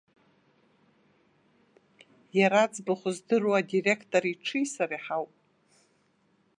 Иара аӡбахә здыруа адиректор иҽи сареи ҳауп!